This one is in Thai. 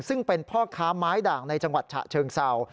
ซึ่งเป็นพ่อค้าไม้ด่างในจังหวัดฉะเชิงเศร้า